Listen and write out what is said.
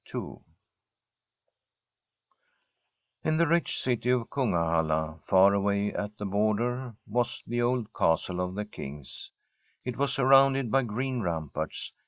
II In the rich city of Kungahilla, feu* away at the border, was the old castle of the kings. It was surrounded by green ramparts.